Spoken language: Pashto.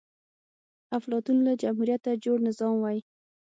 افلاطون له جمهوريته جوړ نظام وای